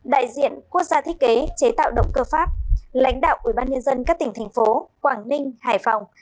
đại diện quốc gia thiết kế chế tạo động cơ pháp lãnh đạo ủy ban nhân dân các tỉnh thành phố quảng ninh hải phòng